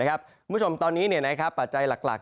คุณผู้ชมตอนนี้ปัจจัยหลัก